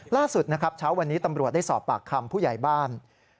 ล่าสุดนะครับเช้าวันนี้ตำรวจได้สอบปากคำผู้ใหญ่บ้าน